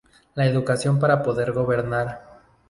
La educación para poder gobernar.